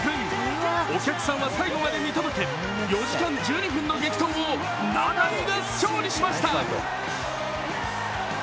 お客さんは最後まで見届け、４時間１２分の激闘をナダルが勝利しました。